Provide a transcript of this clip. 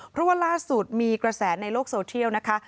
เพราะว่าล่าสุดมีกระแสในโลกโซเทียลนะคะ